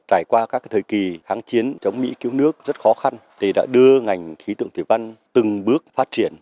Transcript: trải qua các thời kỳ kháng chiến chống mỹ cứu nước rất khó khăn thì đã đưa ngành khí tượng thủy văn từng bước phát triển